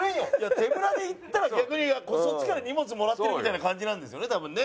手ぶらで行ったら逆にそっちから荷物もらってるみたいな感じなんですよね多分ね。